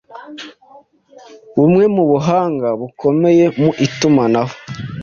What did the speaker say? Bumwe mu buhanga bukomeye mu itumanaho